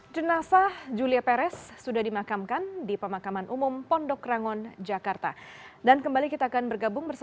jenasah julia peres